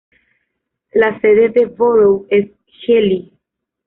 La sede del borough es Healy.